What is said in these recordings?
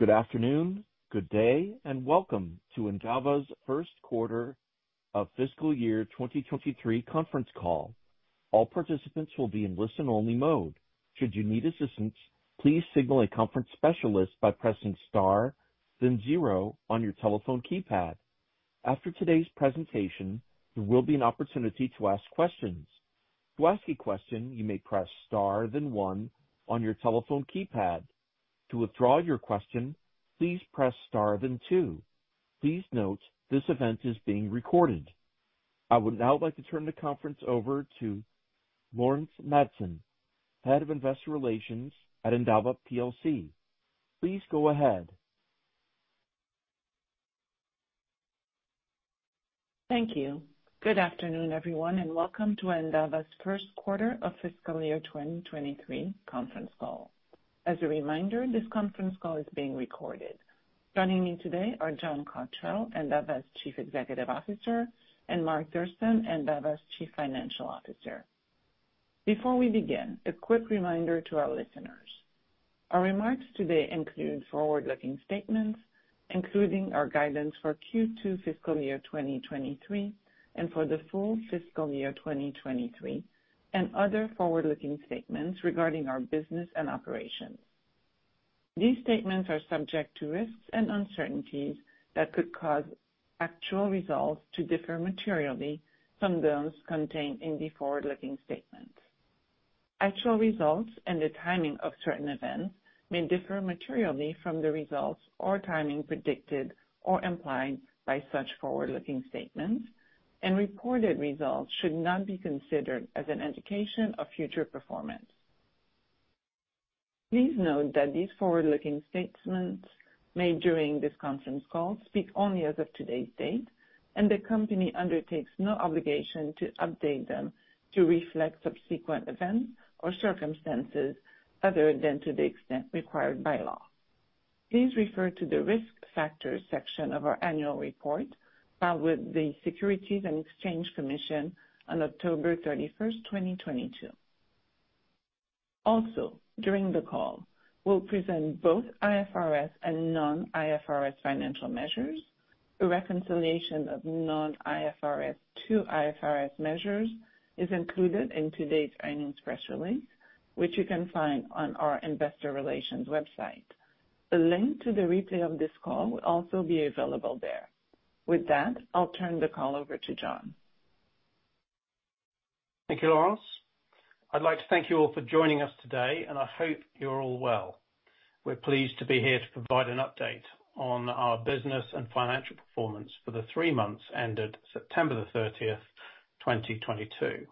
Good afternoon, good day, and welcome to Endava's first quarter of fiscal year 2023 conference call. All participants will be in listen only mode. Should you need assistance, please signal a conference specialist by pressing star, then zero on your telephone keypad. After today's presentation, there will be an opportunity to ask questions. To ask a question, you may press Star, then one on your telephone keypad. To withdraw your question, please press star, then two. Please note, this event is being recorded. I would now like to turn the conference over to Laurence Madsen, Head of Investor Relations at Endava Plc. Please go ahead. Thank you. Good afternoon, everyone, and welcome to Endava's first quarter of fiscal year 2023 conference call. As a reminder, this conference call is being recorded. Joining me today are John Cotterell, Endava's Chief Executive Officer; and Mark Thurston, Endava's Chief Financial Officer. Before we begin, a quick reminder to our listeners. Our remarks today include forward-looking statements, including our guidance for Q2 fiscal year 2023 and for the full fiscal year 2023, and other forward-looking statements regarding our business and operations. These statements are subject to risks and uncertainties that could cause actual results to differ materially from those contained in the forward-looking statements. Actual results and the timing of certain events may differ materially from the results or timing predicted or implied by such forward-looking statements, and reported results should not be considered as an indication of future performance. Please note that these forward-looking statements made during this conference call speak only as of today's date, and the company undertakes no obligation to update them to reflect subsequent events or circumstances other than to the extent required by law. Please refer to the risk factors section of our annual report filed with the Securities and Exchange Commission on October 31, 2022. Also, during the call, we'll present both IFRS and non-IFRS financial measures. A reconciliation of non-IFRS to IFRS measures is included in today's earnings press release, which you can find on our investor relations website. A link to the replay of this call will also be available there. With that, I'll turn the call over to John. Thank you, Laurence. I'd like to thank you all for joining us today, and I hope you're all well. We're pleased to be here to provide an update on our business and financial performance for the three months ended September 30, 2022.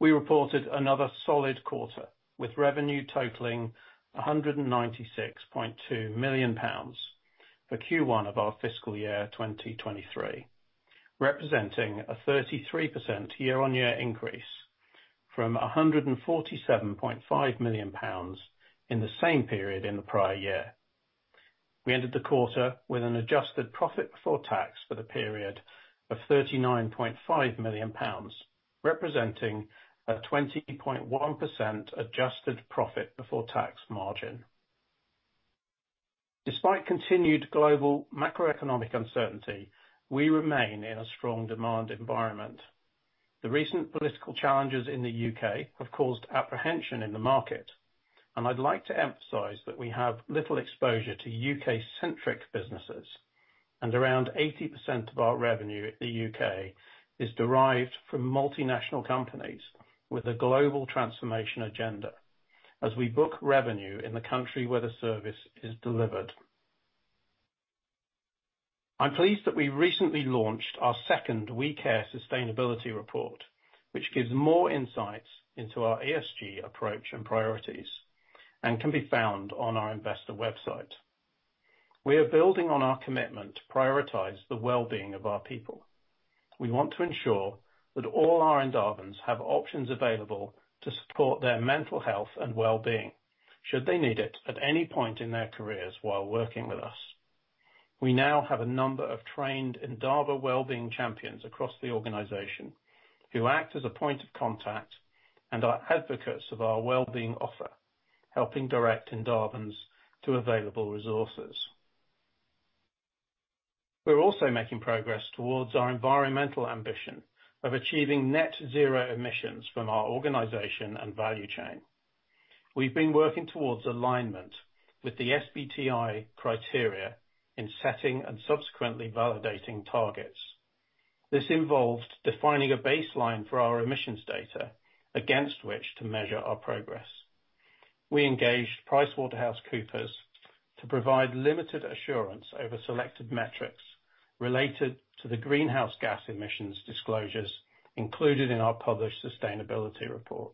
We reported another solid quarter, with revenue totaling 196.2 million pounds for Q1 of our fiscal year 2023, representing a 33% year-on-year increase from 147.5 million pounds in the same period in the prior year. We ended the quarter with an adjusted profit before tax for the period of 39.5 million pounds, representing a 20.1% adjusted profit before tax margin. Despite continued global macroeconomic uncertainty, we remain in a strong demand environment. The recent political challenges in the U.K. have caused apprehension in the market, and I'd like to emphasize that we have little exposure to U.K.-centric businesses. Around 80% of our revenue in the U.K. is derived from multinational companies with a global transformation agenda as we book revenue in the country where the service is delivered. I'm pleased that we recently launched our second We Care sustainability report, which gives more insights into our ESG approach and priorities and can be found on our investor website. We are building on our commitment to prioritize the well-being of our people. We want to ensure that all our Endavans have options available to support their mental health and well-being, should they need it, at any point in their careers while working with us. We now have a number of trained Endava well-being champions across the organization who act as a point of contact and are advocates of our well-being offer, helping direct Endavans to available resources. We're also making progress towards our environmental ambition of achieving net zero emissions from our organization and value chain. We've been working towards alignment with the SBTi criteria in setting and subsequently validating targets. This involved defining a baseline for our emissions data against which to measure our progress. We engaged PricewaterhouseCoopers to provide limited assurance over selected metrics related to the greenhouse gas emissions disclosures included in our published sustainability report.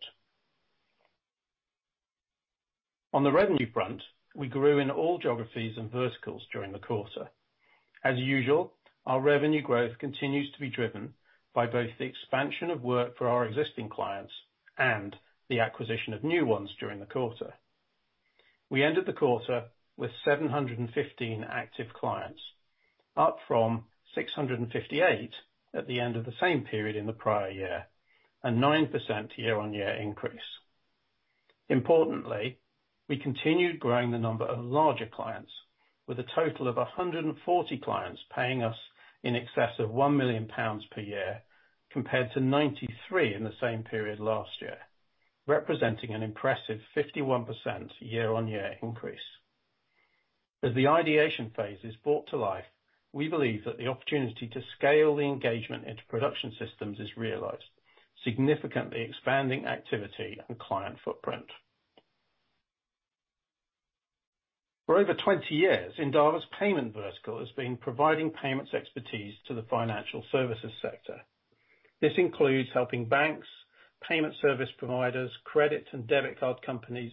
On the revenue front, we grew in all geographies and verticals during the quarter. As usual, our revenue growth continues to be driven by both the expansion of work for our existing clients and the acquisition of new ones during the quarter. We ended the quarter with 715 active clients. Up from 658 at the end of the same period in the prior year, a 9% year-on-year increase. Importantly, we continued growing the number of larger clients with a total of 140 clients paying us in excess of 1 million pounds per year compared to 93 in the same period last year, representing an impressive 51% year-on-year increase. As the ideation phase is brought to life, we believe that the opportunity to scale the engagement into production systems is realized, significantly expanding activity and client footprint. For over 20 years, Endava's payment vertical has been providing payments expertise to the financial services sector. This includes helping banks, payment service providers, credit and debit card companies,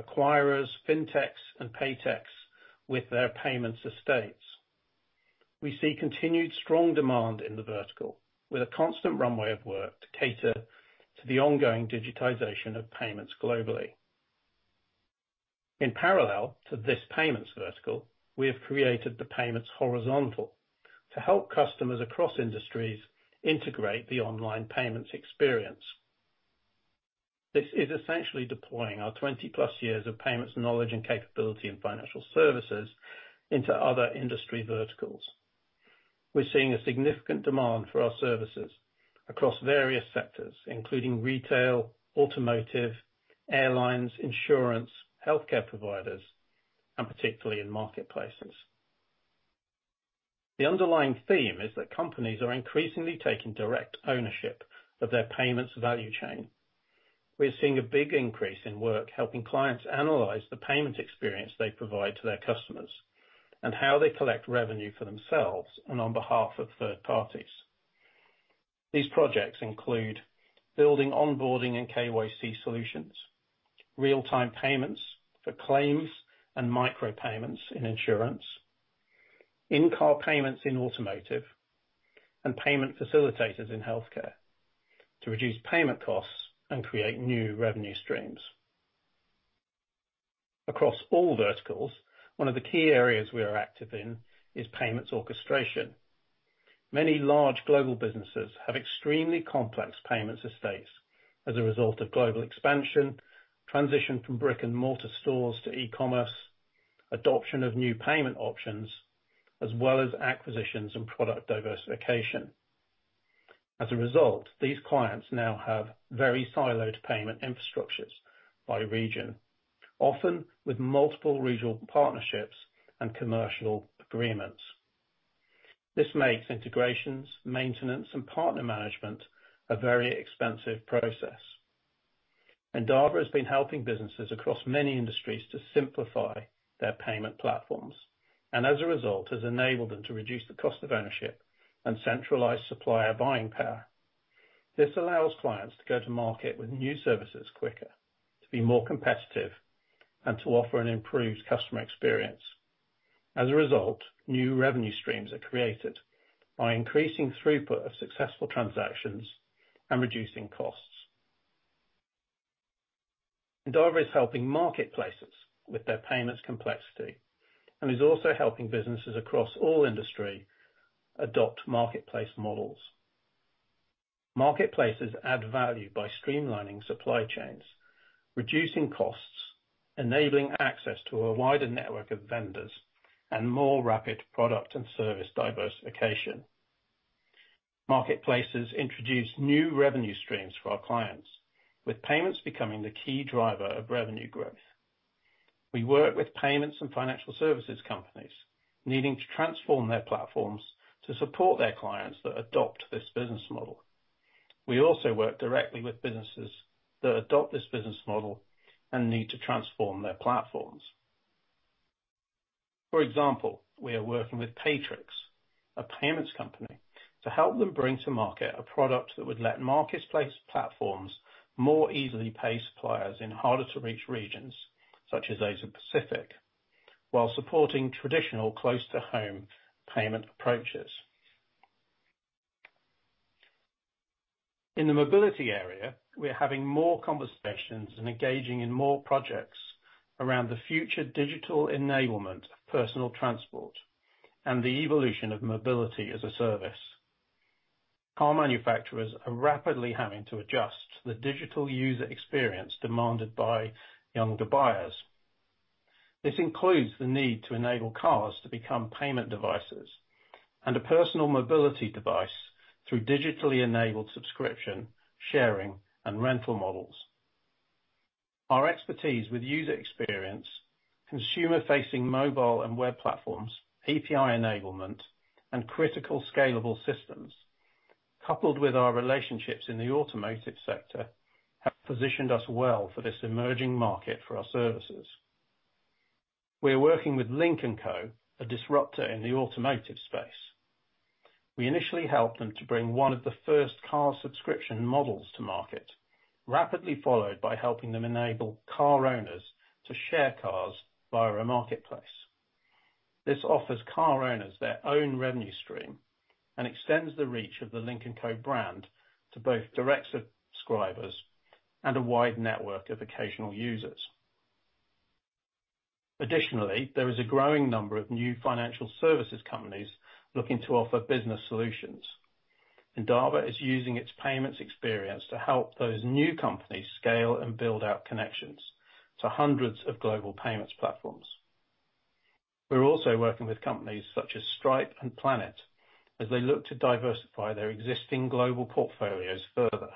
acquirers, fintechs, and paytechs with their payments estates. We see continued strong demand in the vertical, with a constant runway of work to cater to the ongoing digitization of payments globally. In parallel to this payments vertical, we have created the payments horizontal to help customers across industries integrate the online payments experience. This is essentially deploying our 20+ years of payments knowledge and capability in financial services into other industry verticals. We're seeing a significant demand for our services across various sectors, including retail, automotive, airlines, insurance, healthcare providers, and particularly in marketplaces. The underlying theme is that companies are increasingly taking direct ownership of their payments value chain. We are seeing a big increase in work helping clients analyze the payment experience they provide to their customers, and how they collect revenue for themselves and on behalf of third parties. These projects include building onboarding and KYC solutions, real-time payments for claims and micro payments in insurance, in-car payments in automotive, and payment facilitators in healthcare to reduce payment costs and create new revenue streams. Across all verticals, one of the key areas we are active in is payments orchestration. Many large global businesses have extremely complex payments estates as a result of global expansion, transition from brick-and-mortar stores to e-commerce, adoption of new payment options, as well as acquisitions and product diversification. As a result, these clients now have very siloed payment infrastructures by region, often with multiple regional partnerships and commercial agreements. This makes integrations, maintenance, and partner management a very expensive process. Endava has been helping businesses across many industries to simplify their payment platforms, and as a result, has enabled them to reduce the cost of ownership and centralize supplier buying power. This allows clients to go to market with new services quicker, to be more competitive, and to offer an improved customer experience. As a result, new revenue streams are created by increasing throughput of successful transactions and reducing costs. Endava is helping marketplaces with their payments complexity and is also helping businesses across all industry adopt marketplace models. Marketplaces add value by streamlining supply chains, reducing costs, enabling access to a wider network of vendors, and more rapid product and service diversification. Marketplaces introduce new revenue streams for our clients, with payments becoming the key driver of revenue growth. We work with payments and financial services companies needing to transform their platforms to support their clients that adopt this business model. We also work directly with businesses that adopt this business model and need to transform their platforms. For example, we are working with Paytrix, a payments company, to help them bring to market a product that would let marketplace platforms more easily pay suppliers in harder-to-reach regions, such as Asia-Pacific, while supporting traditional close-to-home payment approaches. In the mobility area, we are having more conversations and engaging in more projects around the future digital enablement of personal transport and the evolution of mobility as a service. Car manufacturers are rapidly having to adjust to the digital user experience demanded by younger buyers. This includes the need to enable cars to become payment devices and a personal mobility device through digitally enabled subscription, sharing, and rental models. Our expertise with user experience, consumer-facing mobile and web platforms, API enablement, and critical scalable systems, coupled with our relationships in the automotive sector, have positioned us well for this emerging market for our services. We are working with Lynk & Co, a disruptor in the automotive space. We initially helped them to bring one of the first car subscription models to market, rapidly followed by helping them enable car owners to share cars via a marketplace. This offers car owners their own revenue stream and extends the reach of the Lynk & Co brand to both direct subscribers and a wide network of occasional users. Additionally, there is a growing number of new financial services companies looking to offer business solutions. Endava is using its payments experience to help those new companies scale and build out connections to hundreds of global payments platforms. We're also working with companies such as Stripe and Planet as they look to diversify their existing global portfolios further.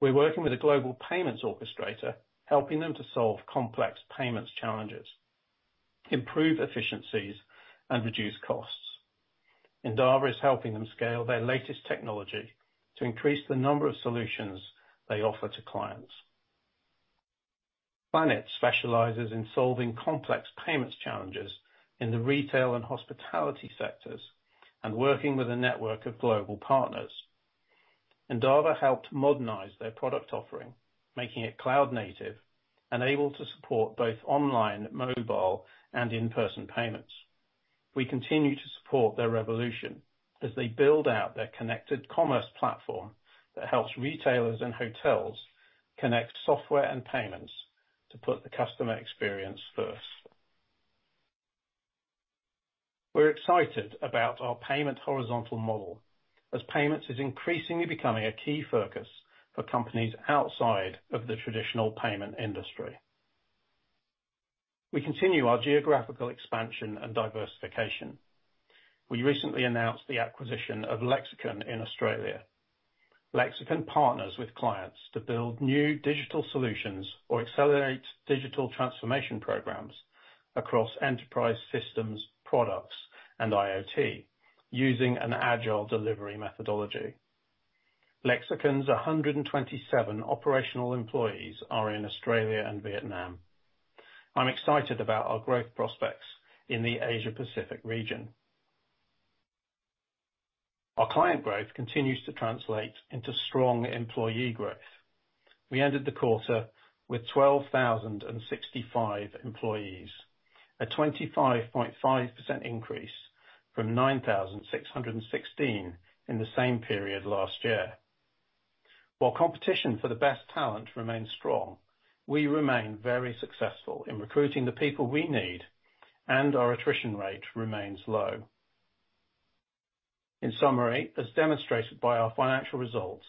We're working with a global payments orchestrator, helping them to solve complex payments challenges, improve efficiencies, and reduce costs. Endava is helping them scale their latest technology to increase the number of solutions they offer to clients. Planet specializes in solving complex payments challenges in the retail and hospitality sectors and working with a network of global partners. Endava helped modernize their product offering, making it cloud-native and able to support both online, mobile, and in-person payments. We continue to support their revolution as they build out their connected commerce platform that helps retailers and hotels connect software and payments to put the customer experience first. We're excited about our payment horizontal model as payments is increasingly becoming a key focus for companies outside of the traditional payment industry. We continue our geographical expansion and diversification. We recently announced the acquisition of Lexicon in Australia. Lexicon partners with clients to build new digital solutions or accelerate digital transformation programs across enterprise systems, products, and IoT using an agile delivery methodology. Lexicon's 127 operational employees are in Australia and Vietnam. I'm excited about our growth prospects in the Asia-Pacific region. Our client growth continues to translate into strong employee growth. We ended the quarter with 12,065 employees, a 25.5% increase from 9,616 in the same period last year. While competition for the best talent remains strong, we remain very successful in recruiting the people we need, and our attrition rate remains low. In summary, as demonstrated by our financial results,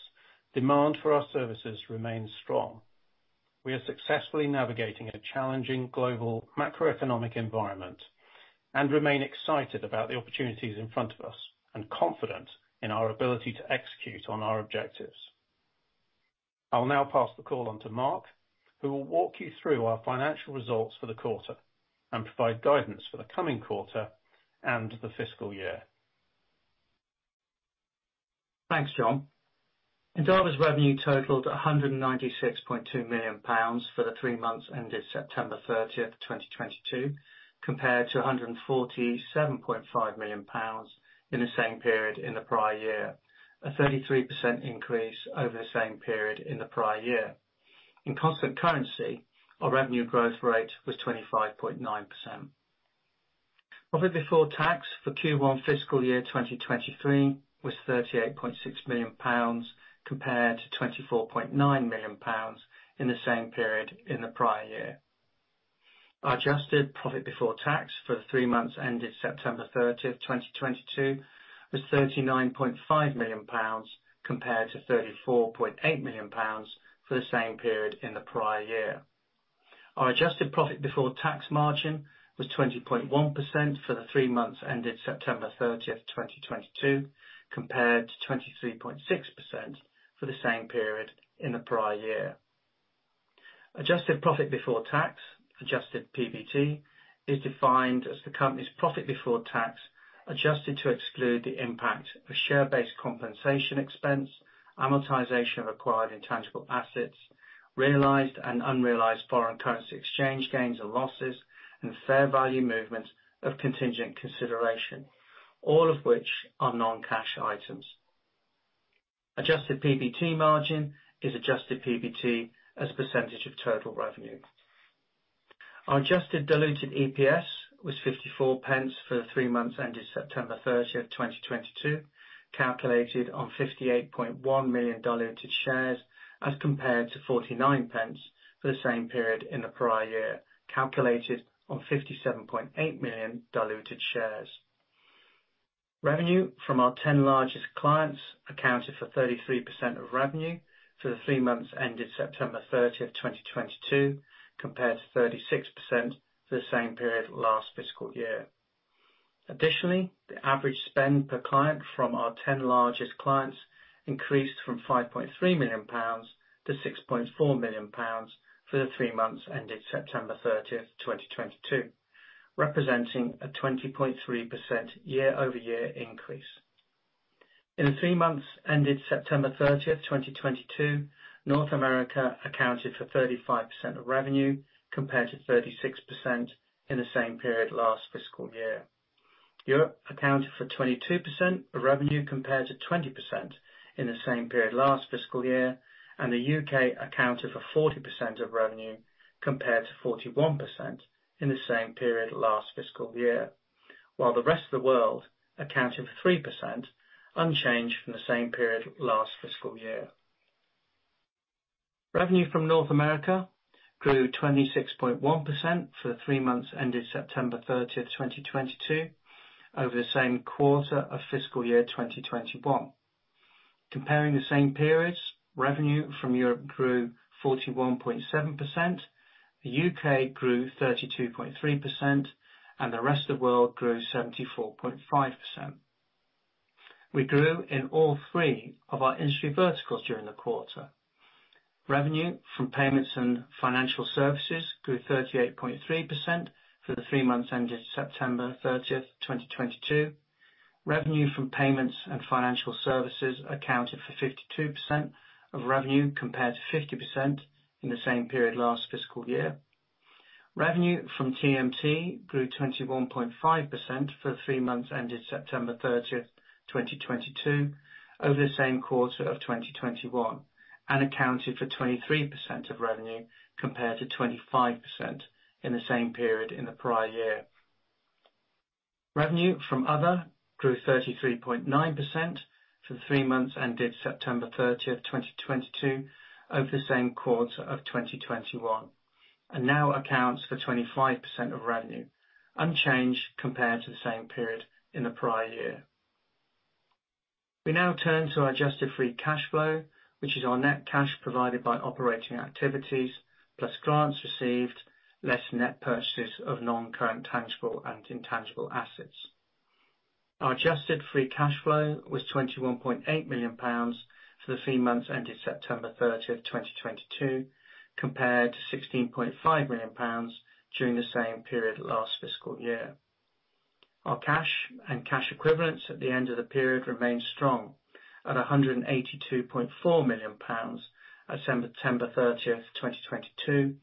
demand for our services remains strong. We are successfully navigating a challenging global macroeconomic environment and remain excited about the opportunities in front of us and confident in our ability to execute on our objectives. I'll now pass the call on to Mark, who will walk you through our financial results for the quarter and provide guidance for the coming quarter and the fiscal year. Thanks, John. Endava's revenue totaled 196.2 million pounds for the three months ended September thirtieth, 2022, compared to 147.5 million pounds in the same period in the prior year. A 33% increase over the same period in the prior year. In constant currency, our revenue growth rate was 25.9%. Profit before tax for Q1 fiscal year 2023 was 38.6 million pounds compared to 24.9 million pounds in the same period in the prior year. Our adjusted profit before tax for the three months ended September thirtieth, 2022 was GBP 39.5 million compared to GBP 34.8 million for the same period in the prior year. Our adjusted profit before tax margin was 20.1% for the three months ended September 30, 2022, compared to 23.6% for the same period in the prior year. Adjusted profit before tax, adjusted PBT, is defined as the company's profit before tax, adjusted to exclude the impact of share-based compensation expense, amortization of acquired intangible assets, realized and unrealized foreign currency exchange gains or losses, and fair value movements of contingent consideration, all of which are non-cash items. Adjusted PBT margin is adjusted PBT as a percentage of total revenue. Our adjusted diluted EPS was 0.54 for the three months ended September 30, 2022, calculated on 58.1 million diluted shares as compared to 0.49 for the same period in the prior year, calculated on 57.8 million diluted shares. Revenue from our ten largest clients accounted for 33% of revenue for the three months ended September 30, 2022, compared to 36% for the same period last fiscal year. Additionally, the average spend per client from our ten largest clients increased from 5.3 million pounds to 6.4 million pounds for the three months ended September 30, 2022, representing a 20.3% year-over-year increase. In the three months ended September 30, 2022, North America accounted for 35% of revenue, compared to 36% in the same period last fiscal year. Europe accounted for 22% of revenue compared to 20% in the same period last fiscal year, and the U.K. accounted for 40% of revenue compared to 41% in the same period last fiscal year. While the rest of the world accounted for 3%, unchanged from the same period last fiscal year. Revenue from North America grew 26.1% for the three months ended September 30, 2022, over the same quarter of fiscal year 2021. Comparing the same periods, revenue from Europe grew 41.7%, the U.K. grew 32.3%, and the rest of the world grew 74.5%. We grew in all three of our industry verticals during the quarter. Revenue from payments and financial services grew 38.3% for the three months ending September 30, 2022. Revenue from payments and financial services accounted for 52% of revenue, compared to 50% in the same period last fiscal year. Revenue from TMT grew 21.5% for three months ending September 30th, 2022, over the same quarter of 2021, and accounted for 23% of revenue, compared to 25% in the same period in the prior year. Revenue from other grew 33.9% for the three months ending September 30th, 2022, over the same quarter of 2021, and now accounts for 25% of revenue, unchanged compared to the same period in the prior year. We now turn to our adjusted free cash flow, which is our net cash provided by operating activities, plus grants received, less net purchases of non-current tangible and intangible assets. Our adjusted free cash flow was 21.8 million pounds for the three months ended September 30th, 2022, compared to GBP 16.5 million during the same period last fiscal year. Our cash and cash equivalents at the end of the period remained strong at 182.4 million pounds as of September 30th, 2022,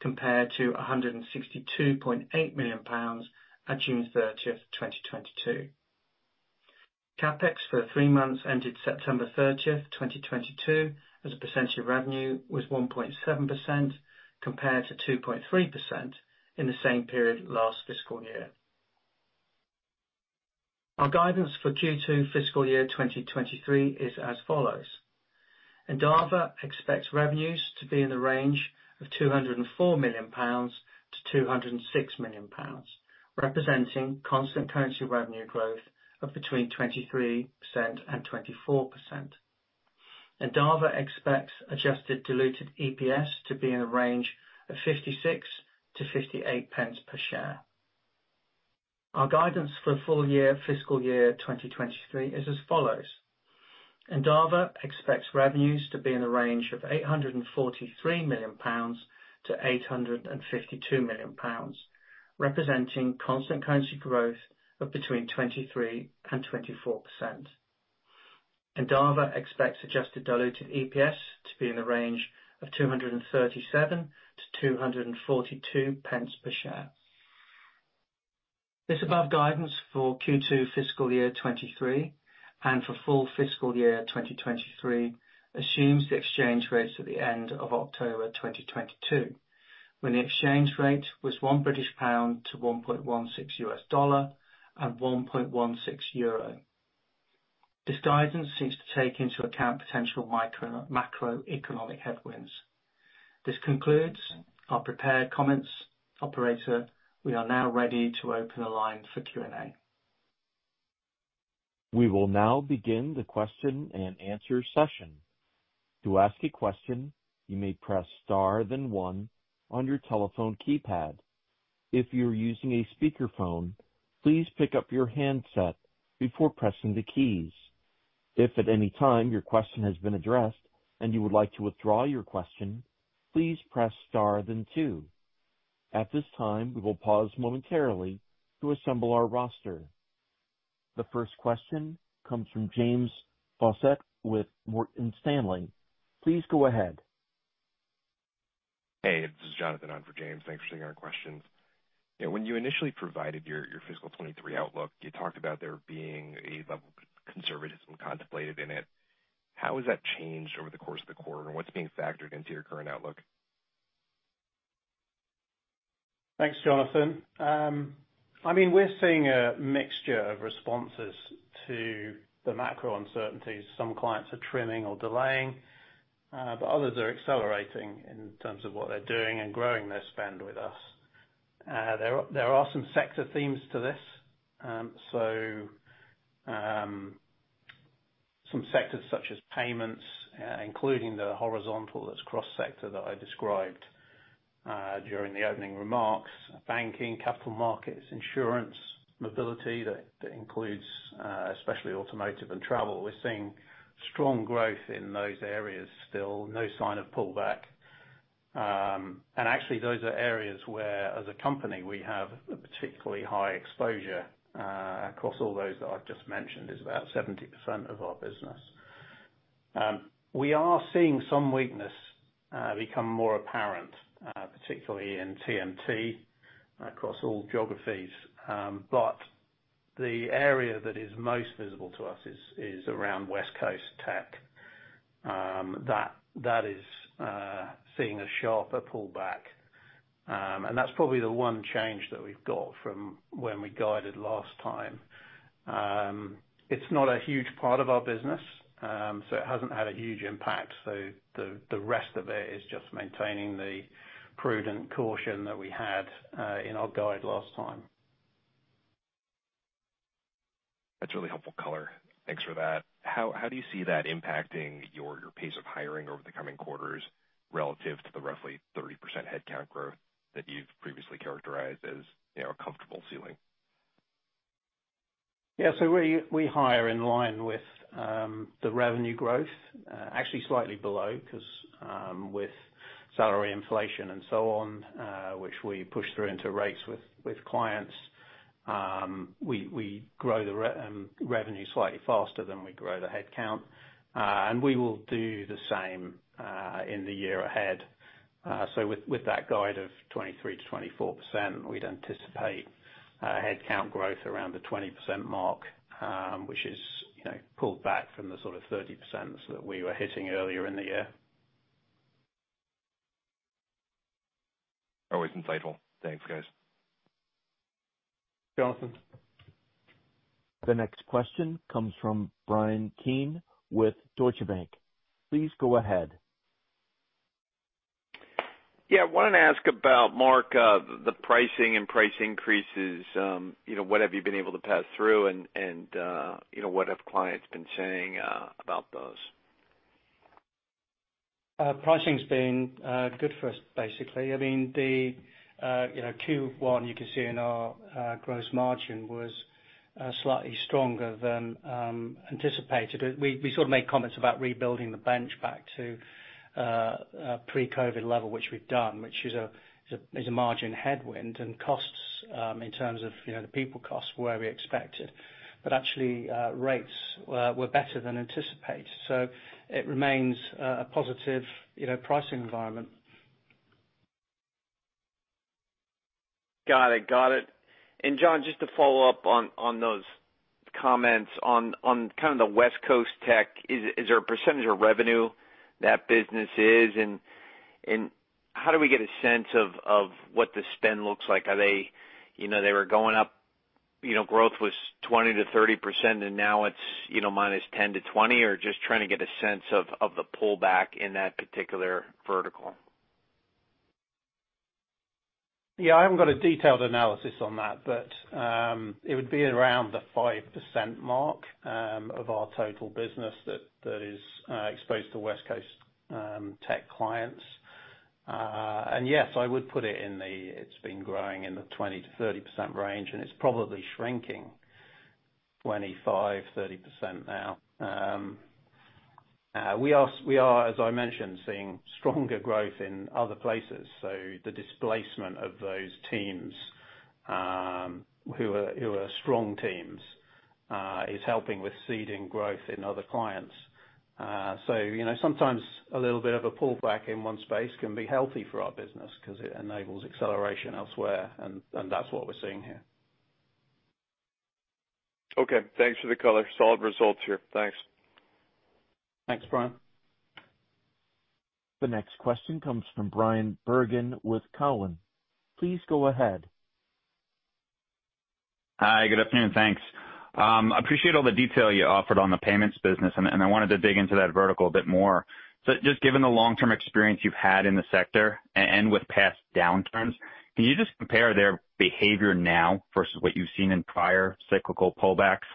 compared to 162.8 million pounds at June 30th, 2022. CapEx for three months ending September 30th, 2022, as a percentage of revenue was 1.7%, compared to 2.3% in the same period last fiscal year. Our guidance for Q2 fiscal year 2023 is as follows: Endava expects revenues to be in the range of 204 million-206 million pounds, representing constant currency revenue growth of between 23% and 24%. Endava expects adjusted diluted EPS to be in a range of 56-58 pence per share. Our guidance for full year fiscal year 2023 is as follows: Endava expects revenues to be in the range of 843 million-852 million pounds, representing constant currency growth of between 23% and 24%. Endava expects adjusted diluted EPS to be in the range of 237-242 pence per share. The above guidance for Q2 fiscal year 2023 and for full fiscal year 2023 assumes the exchange rates at the end of October 2022, when the exchange rate was one British pound to $1.16 and 1.16 euro. This guidance seeks to take into account potential macroeconomic headwinds. This concludes our prepared comments. Operator, we are now ready to open the line for Q&A. We will now begin the question and answer session. To ask a question, you may press star then one on your telephone keypad. If you're using a speaker phone, please pick up your handset before pressing the keys. If at any time your question has been addressed and you would like to withdraw your question, please press star then two. At this time, we will pause momentarily to assemble our roster. The first question comes from James Faucette with Morgan Stanley. Please go ahead. Hey, this is Jonathan on for James. Thanks for taking our questions. Yeah, when you initially provided your fiscal 2023 outlook, you talked about there being a level of conservatism contemplated in it. How has that changed over the course of the quarter, and what's being factored into your current outlook? Thanks, Jonathan. I mean, we're seeing a mixture of responses to the macro uncertainties. Some clients are trimming or delaying, but others are accelerating in terms of what they're doing and growing their spend with us. There are some sector themes to this. Some sectors such as payments, including the horizontal, that's cross-sector that I described during the opening remarks, banking, capital markets, insurance, mobility, that includes, especially automotive and travel. We're seeing strong growth in those areas still. No sign of pullback. Actually those are areas where as a company we have a particularly high exposure, across all those that I've just mentioned is about 70% of our business. We are seeing some weakness become more apparent, particularly in TMT across all geographies. The area that is most visible to us is around West Coast tech. That is seeing a sharper pullback. That's probably the one change that we've got from when we guided last time. It's not a huge part of our business, so it hasn't had a huge impact. The rest of it is just maintaining the prudent caution that we had in our guide last time. That's really helpful color. Thanks for that. How do you see that impacting your pace of hiring over the coming quarters relative to the roughly 30% headcount growth that you've previously characterized as, you know, a comfortable ceiling? Yeah. We hire in line with the revenue growth, actually slightly below because with salary inflation and so on, which we push through into rates with clients, we grow revenue slightly faster than we grow the headcount. We will do the same in the year ahead. With that guide of 23%-24%, we'd anticipate headcount growth around the 20% mark, which is, you know, pulled back from the sort of 30% that we were hitting earlier in the year. Always insightful. Thanks, guys. Jonathan. The next question comes from Bryan Keane with Deutsche Bank. Please go ahead. Yeah. I wanted to ask about, Mark, the pricing and price increases. You know, what have you been able to pass through and, you know, what have clients been saying about those? Pricing's been good for us, basically. I mean, the you know, Q1, you can see in our gross margin was slightly stronger than anticipated. We sort of made comments about rebuilding the bench back to pre-COVID level, which we've done, which is a margin headwind and costs in terms of, you know, the people costs were where we expected. Actually, rates were better than anticipated, so it remains a positive, you know, pricing environment. Got it. John, just to follow up on those comments on kind of the West Coast tech, is there a percentage of revenue that business is, and how do we get a sense of what the spend looks like? Are they, you know, they were going up, you know, growth was 20%-30% and now it's, you know, -10% to- 20%, or just trying to get a sense of the pullback in that particular vertical. Yeah. I haven't got a detailed analysis on that, but it would be around the 5% mark of our total business that is exposed to West Coast tech clients. Yes, I would put it in the, it's been growing in the 20%-30% range, and it's probably shrinking 25%-30% now. We are, as I mentioned, seeing stronger growth in other places. The displacement of those teams, who are strong teams, is helping with seeding growth in other clients. You know, sometimes a little bit of a pullback in one space can be healthy for our business because it enables acceleration elsewhere, and that's what we're seeing here. Okay. Thanks for the color. Solid results here. Thanks. Thanks, Brian. The next question comes from Bryan Bergin with TD Cowen. Please go ahead. Hi. Good afternoon. Thanks. Appreciate all the detail you offered on the payments business, and I wanted to dig into that vertical a bit more. Just given the long-term experience you've had in the sector and with past downturns, can you just compare their behavior now versus what you've seen in prior cyclical pullbacks?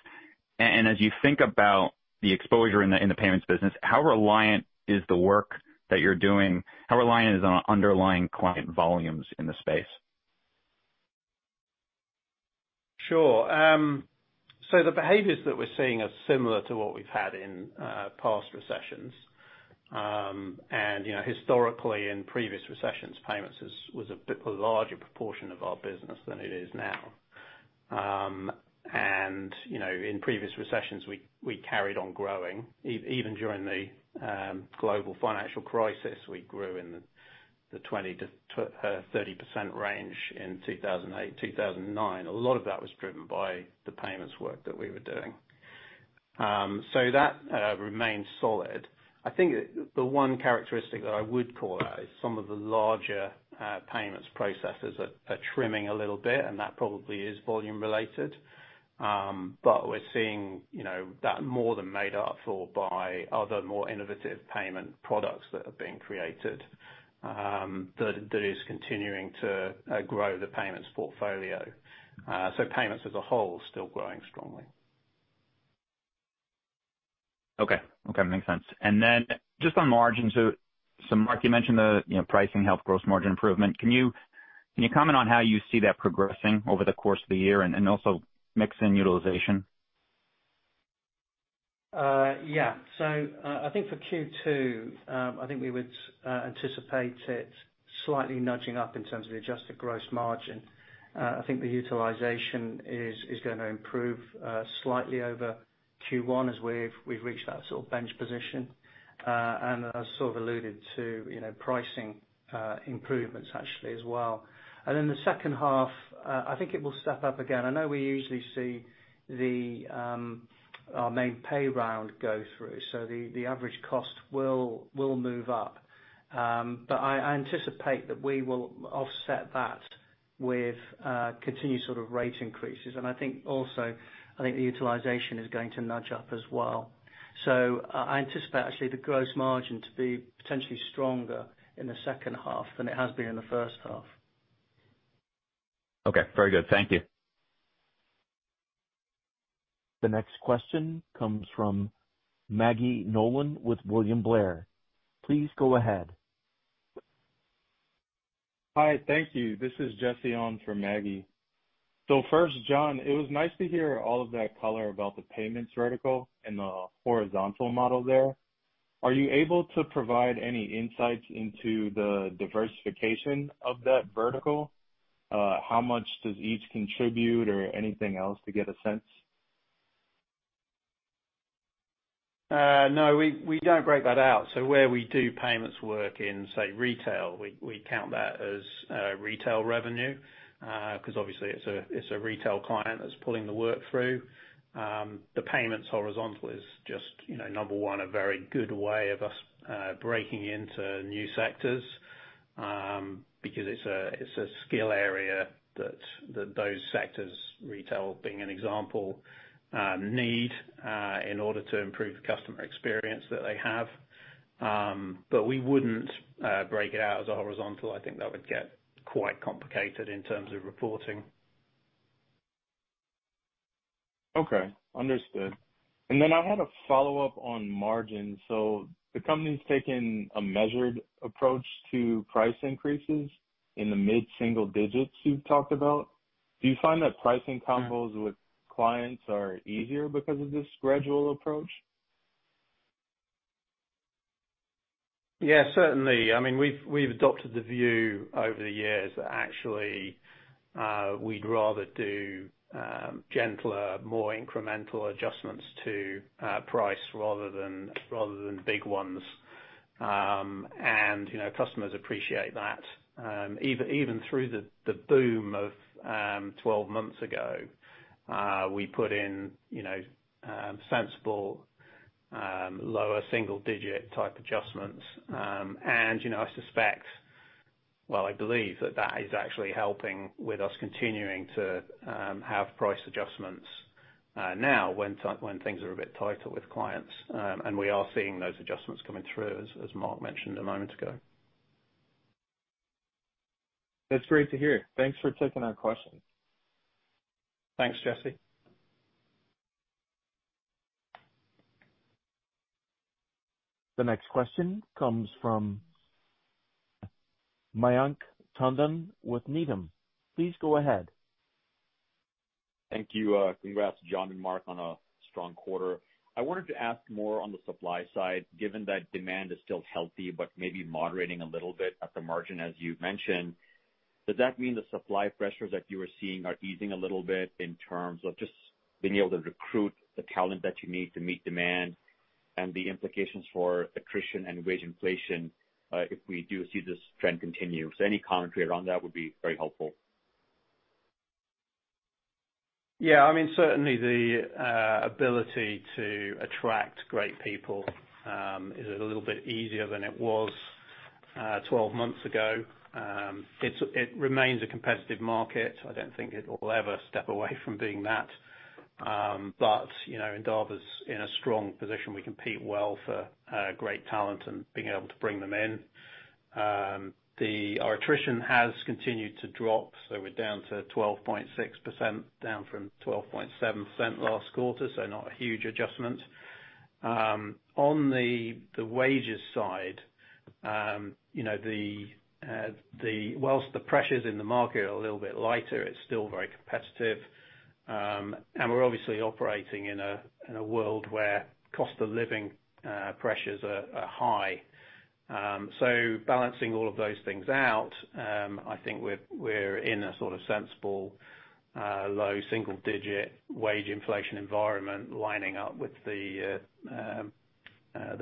As you think about the exposure in the payments business, how reliant is the work that you're doing, how reliant is it on underlying client volumes in the space? Sure. The behaviors that we're seeing are similar to what we've had in past recessions. You know, historically in previous recessions, payments was a bit larger proportion of our business than it is now. You know, in previous recessions, we carried on growing. Even during the global financial crisis, we grew in the 20%-30% range in 2008, 2009. A lot of that was driven by the payments work that we were doing. That remains solid. I think the one characteristic that I would call out is some of the larger payments processors are trimming a little bit, and that probably is volume related. We're seeing, you know, that more than made up for by other more innovative payment products that have been created, that is continuing to grow the payments portfolio. Payments as a whole still growing strongly. Okay. Makes sense. Then just on margins, so Mark, you mentioned the, you know, pricing helped gross margin improvement. Can you comment on how you see that progressing over the course of the year and also mix in utilization? Yeah. I think for Q2, I think we would anticipate it slightly nudging up in terms of the adjusted gross margin. I think the utilization is gonna improve slightly over Q1 as we've reached that sort of bench position. I sort of alluded to, you know, pricing improvements actually as well. In the second half, I think it will step up again. I know we usually see our main pay round go through, so the average cost will move up. I anticipate that we will offset that with continued sort of rate increases. I think also, I think the utilization is going to nudge up as well. I anticipate actually the gross margin to be potentially stronger in the second half than it has been in the first half. Okay, very good. Thank you. The next question comes from Margaret Nolan with William Blair. Please go ahead. Hi. Thank you. This is Jesse on for Maggie. First, John, it was nice to hear all of that color about the payments vertical and the horizontal model there. Are you able to provide any insights into the diversification of that vertical? How much does each contribute or anything else to get a sense? No, we don't break that out. Where we do payments work in, say, retail, we count that as retail revenue because obviously it's a retail client that's pulling the work through. The payments horizontal is just, you know, number one, a very good way of us breaking into new sectors because it's a skill area that those sectors, retail being an example, need in order to improve the customer experience that they have. We wouldn't break it out as a horizontal. I think that would get quite complicated in terms of reporting. Okay. Understood. I had a follow-up on margins. The company's taken a measured approach to price increases in the mid-single digits you've talked about. Do you find that pricing conversations with clients are easier because of this gradual approach? Yeah, certainly. I mean, we've adopted the view over the years that actually, we'd rather do gentler, more incremental adjustments to price rather than big ones. You know, customers appreciate that. Even through the boom of 12 months ago, we put in, you know, sensible lower single digit type adjustments. You know, I suspect, well, I believe that is actually helping with us continuing to have price adjustments now when things are a bit tighter with clients. We are seeing those adjustments coming through, as Mark mentioned a moment ago. That's great to hear. Thanks for taking our questions. Thanks, Jesse. The next question comes from Mayank Tandon with Needham. Please go ahead. Thank you. Congrats, John and Mark, on a strong quarter. I wanted to ask more on the supply side, given that demand is still healthy but maybe moderating a little bit at the margin, as you've mentioned, does that mean the supply pressures that you are seeing are easing a little bit in terms of just being able to recruit the talent that you need to meet demand and the implications for attrition and wage inflation, if we do see this trend continue? Any commentary around that would be very helpful. Yeah. I mean, certainly the ability to attract great people is a little bit easier than it was 12 months ago. It remains a competitive market. I don't think it will ever step away from being that. You know, Endava's in a strong position. We compete well for great talent and being able to bring them in. Our attrition has continued to drop, so we're down to 12.6%, down from 12.7% last quarter, so not a huge adjustment. On the wages side, you know, while the pressures in the market are a little bit lighter, it's still very competitive. We're obviously operating in a world where cost of living pressures are high. Balancing all of those things out, I think we're in a sort of sensible low single digit wage inflation environment lining up with the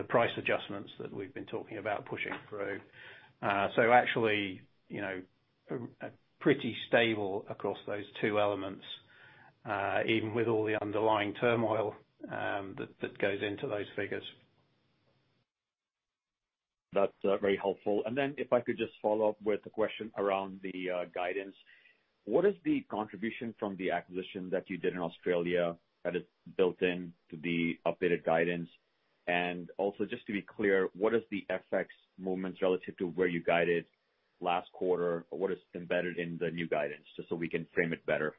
price adjustments that we've been talking about pushing through. Actually, you know, a pretty stable across those two elements, even with all the underlying turmoil that goes into those figures. That's very helpful. If I could just follow up with a question around the guidance. What is the contribution from the acquisition that you did in Australia that is built in to the updated guidance? Just to be clear, what is the FX movements relative to where you guided last quarter, or what is embedded in the new guidance, just so we can frame it better?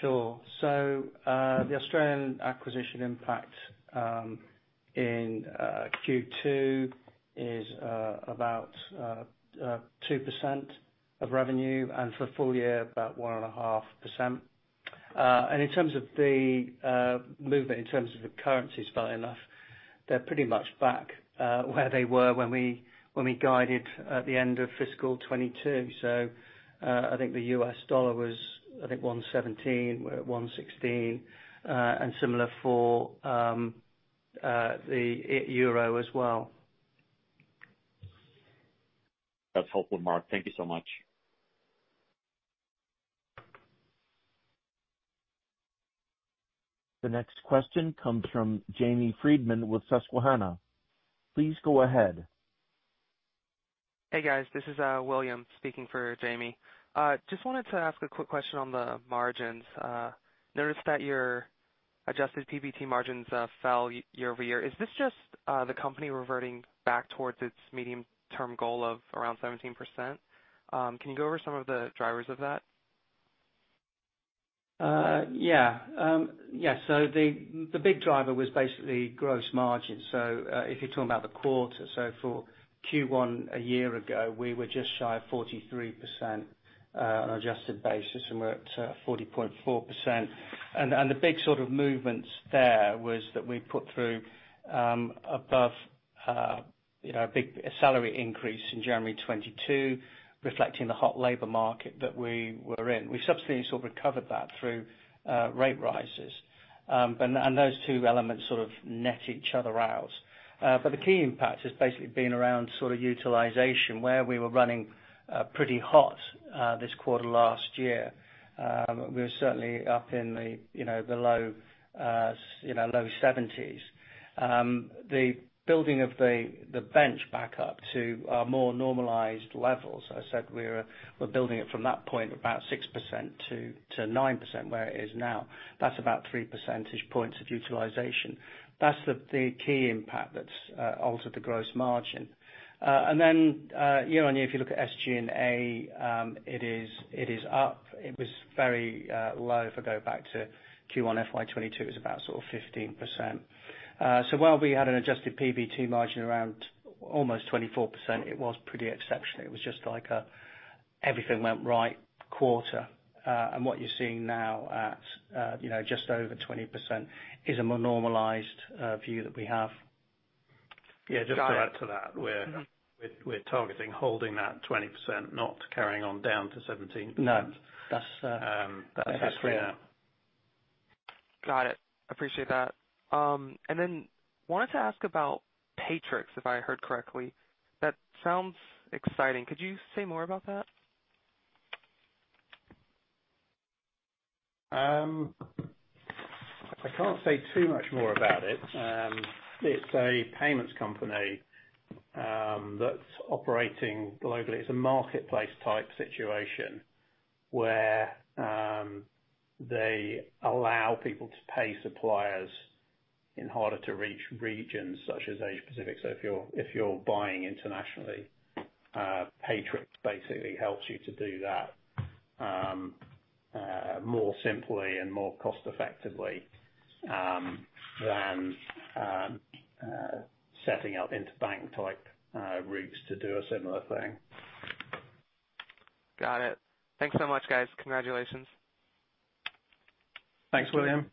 Sure. The Australian acquisition impact in Q2 is about 2% of revenue, and for full year, about 1.5%. In terms of the movement in terms of the currencies, funnily enough They're pretty much back where they were when we guided at the end of fiscal 2022. I think the U.S. dollar was $1.17, we're at $1.16. Similar for the euro as well. That's helpful, Mark. Thank you so much. The next question comes from Jamie Friedman with Susquehanna. Please go ahead. Hey, guys. This is William speaking for Jamie. Just wanted to ask a quick question on the margins. Noticed that your adjusted PBT margins fell year-over-year. Is this just the company reverting back towards its medium-term goal of around 17%? Can you go over some of the drivers of that? The big driver was basically gross margin. If you're talking about the quarter, for Q1 a year ago, we were just shy of 43%, on adjusted basis, and we're at 40.4%. The big sort of movements there was that we put through a big salary increase in January 2022 reflecting the hot labor market that we were in. We subsequently sort of recovered that through rate rises. Those two elements sort of net each other out. The key impact has basically been around sort of utilization, where we were running pretty hot this quarter last year. We were certainly up in the low 70s. The building of the bench back up to our more normalized levels, I said we're building it from that point about 6% to 9% where it is now. That's about three percentage points of utilization. That's the key impact that's altered the gross margin. And then, year-on-year, if you look at SG&A, it is up. It was very low if I go back to Q1 FY 2022, it was about sort of 15%. So while we had an adjusted PBT margin around almost 24%, it was pretty exceptional. It was just like a everything went right quarter. And what you're seeing now at, you know, just over 20% is a more normalized view that we have. Yeah, just to add to that. Got it. We're targeting holding that 20%, not carrying on down to 17%. No, that's. Got it. Appreciate that. Wanted to ask about Paytrix, if I heard correctly. That sounds exciting. Could you say more about that? I can't say too much more about it. It's a payments company that's operating globally. It's a marketplace type situation where they allow people to pay suppliers in harder to reach regions such as Asia Pacific. If you're buying internationally, Paytrix basically helps you to do that more simply and more cost effectively than setting up interbank type routes to do a similar thing. Got it. Thanks so much, guys. Congratulations. Thanks, William.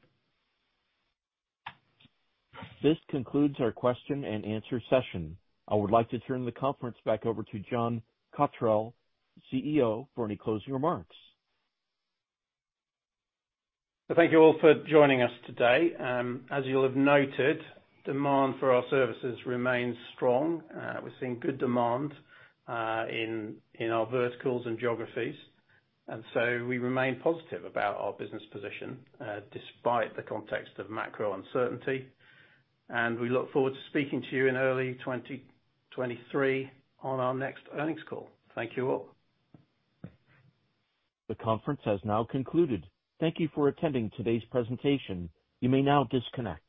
This concludes our question and answer session. I would like to turn the conference back over to John Cotterell, CEO, for any closing remarks. Thank you all for joining us today. As you'll have noted, demand for our services remains strong. We're seeing good demand in our verticals and geographies. We remain positive about our business position despite the context of macro uncertainty. We look forward to speaking to you in early 2023 on our next earnings call. Thank you all. The conference has now concluded. Thank you for attending today's presentation. You may now disconnect.